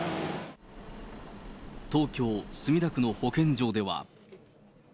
東京・墨田区の保健所では。